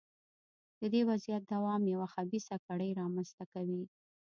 د دې وضعیت دوام یوه خبیثه کړۍ رامنځته کوي.